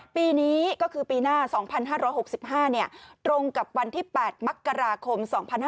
ปีนี้ก็คือปีหน้า๒๕๖๕ตรงกับวันที่๘มกราคม๒๕๕๙